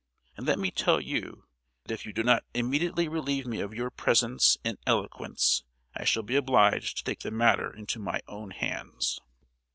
And let me tell you that if you do not immediately relieve me of your presence and eloquence, I shall be obliged to take the matter into my own hands!"